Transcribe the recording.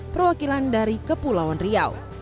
perwakilan dari kepulauan riau